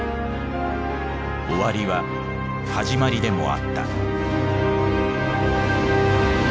終わりは始まりでもあった。